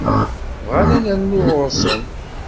Bɣan ad rnuɣ ɣur-sen.